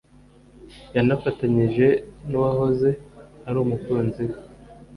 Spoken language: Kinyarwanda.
yanafatanyije n’uwahoze ari umukunzi we